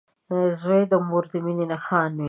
• زوی د مور د مینې نښان وي.